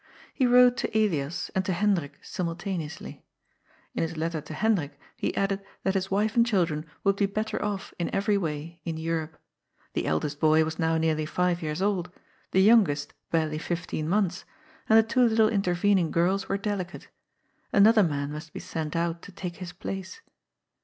He wrote to Elias and to Hendrik simultaneously. In his letter to Hendrik he added that his wife and children would be better off in e^ry way in Europe ; the eldest boy was now nearly five years old, the youngest barely fifteen months, and the two little interven ing girls wiere delicate. Another man must be sent out to take his place.